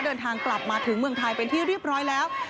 เดินทางกลับมาถึงเมืองไทยเป็นที่เรียบร้อยแล้ว